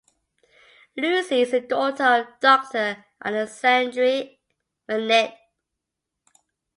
Lucie is the daughter of Doctor Alexandre Manette.